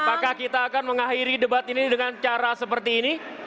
apakah kita akan mengakhiri debat ini dengan cara seperti ini